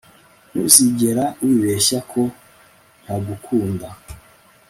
ntuzigera wibeshya ko ntagukunda